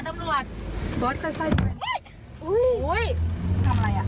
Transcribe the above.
ถ่ายวีดีโอไว้